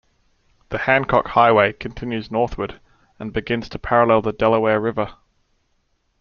The Hancock Highway continues northward and begins to parallel the Delaware River.